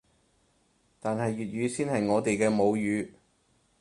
但係粵語先係我哋嘅母語